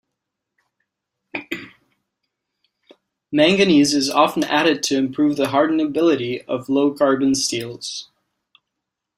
Manganese is often added to improve the hardenability of low-carbon steels.